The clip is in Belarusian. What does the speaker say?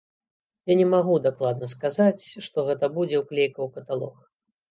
Я не магу дакладна сказаць, што гэта будзе ўклейка ў каталог.